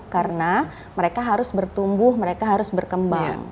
karena mereka harus bertumbuh mereka harus berkembang